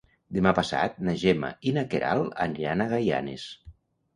Demà passat na Gemma i na Queralt aniran a Gaianes.